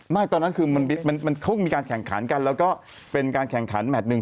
ตอนนั้นคือมันเขามีการแข่งขันกันแล้วก็เป็นการแข่งขันแมทหนึ่ง